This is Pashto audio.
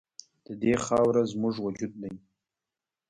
د دې خاوره زموږ وجود دی؟